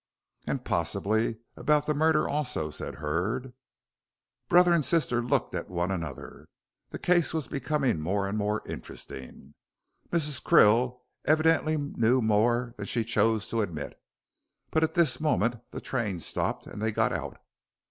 "And possibly about the murder also," said Hurd. Brother and sister looked at one another; the case was becoming more and more interesting. Mrs. Krill evidently knew more than she chose to admit. But at this moment the train stopped, and they got out.